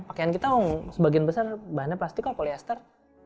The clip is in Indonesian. pakaian kita sebagian besar bahannya plastikal polyester